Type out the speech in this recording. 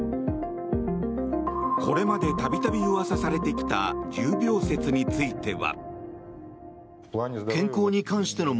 これまで度々うわさされてきた重病説については。